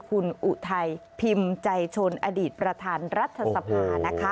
คุณอุทัยพิมพ์ใจชนอดีตประธานรัฐสภานะคะ